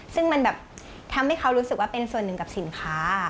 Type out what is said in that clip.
ซึ่งมันแบบทำให้เขารู้สึกว่าเป็นส่วนหนึ่งกับสินค้า